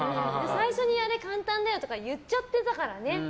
最初にあれ、簡単だよとか言っちゃってたからね。